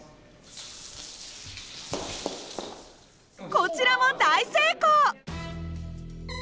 こちらも大成功！